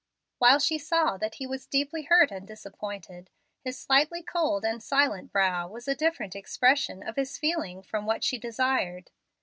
While she saw that he was deeply hurt and disappointed, his slightly cold and silent brow was a different expression of his feeling from what she desired.